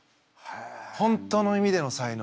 本当の意味での才能。